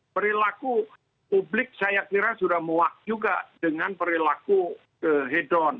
perilaku publik saya kira sudah muak juga dengan perilaku hedon